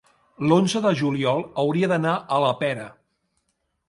l'onze de juliol hauria d'anar a la Pera.